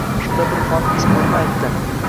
Shunda bir xodim ismimni aytdim.